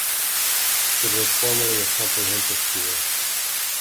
It was formerly a comprehensive school.